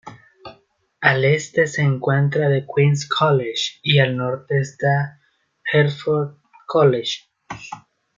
Al este se encuentra The Queen’s College y al norte está el Hertford College.